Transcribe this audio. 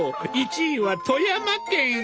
１位は富山県！